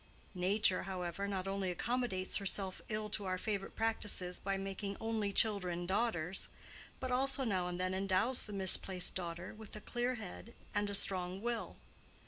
Nature, however, not only accommodates herself ill to our favorite practices by making "only children" daughters, but also now and then endows the misplaced daughter with a clear head and a strong will.